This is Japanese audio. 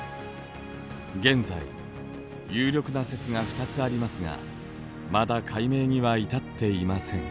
現在有力な説が２つありますがまだ解明には至っていません。